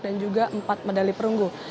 dan juga empat medali perunggu